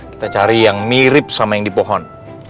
kita cari yang mirip sama yang di pohon